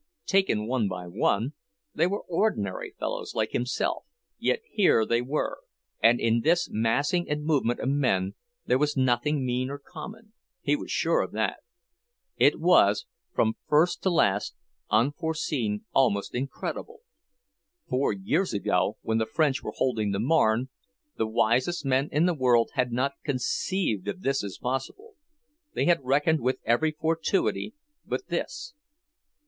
Taken one by one, they were ordinary fellows like himself. Yet here they were. And in this massing and movement of men there was nothing mean or common; he was sure of that. It was, from first to last, unforeseen, almost incredible. Four years ago, when the French were holding the Marne, the wisest men in the world had not conceived of this as possible; they had reckoned with every fortuity but this.